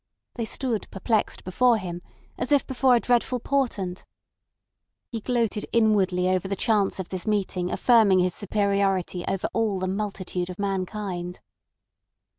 They stood perplexed before him as if before a dreadful portent. He gloated inwardly over the chance of this meeting affirming his superiority over all the multitude of mankind.